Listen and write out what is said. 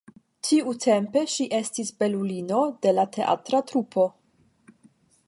Tiutempe ŝi estis belulino de la teatra trupo.